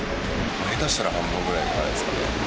下手したら半分ぐらいじゃないですかね。